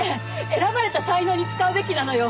選ばれた才能に使うべきなのよ！